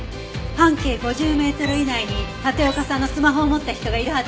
半径５０メートル以内に立岡さんのスマホを持った人がいるはずよ。